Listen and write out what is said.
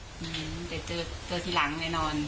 อืมแต่เจอทีหลังแน่นอน